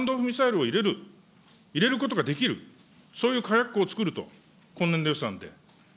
スタンド・オフ・ミサイルを入れる、入れることができる、そういう火薬庫をつくると、今年度予算で。